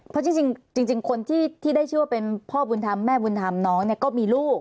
เพราะจริงคนที่ได้ชื่อว่าเป็นพ่อบุญธรรมแม่บุญธรรมน้องเนี่ยก็มีลูก